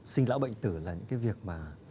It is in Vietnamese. sinh lão bệnh tử là những cái việc mà